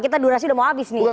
kita durasi udah mau habis nih